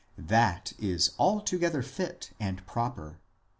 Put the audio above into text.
That is altogether fit and proper.